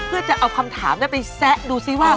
เพื่อจะเอาคำถามไปแซะดูซิว่า